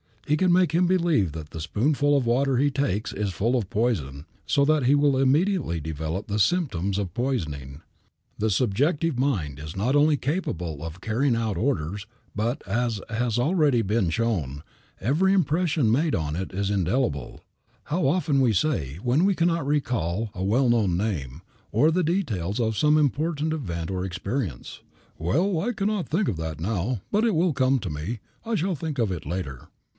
He can make him believe that the spoonful of water he takes is full of poison so that he will immediately develop the symptoms of poisoning. The subjective mind is not only capable of carrying out orders but, as has already been shown, every impression made on it is indelible. How often we say, when we cannot recall a well known name, or the details of some important event or experience, "Well, I cannot think of that now, but it will come to me; I shall think of it later."